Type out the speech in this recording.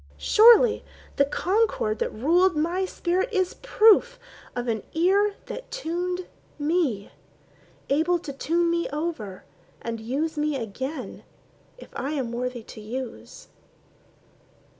Surely the concord that ruled my spirit is proof Of an Ear that tuned me, able to tune me over And use me again if I am worthy to use.